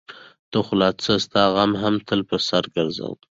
ته خو لا څه؛ ستا غم هم تل په سر ګرځوم.